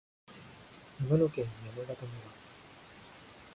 長野県山形村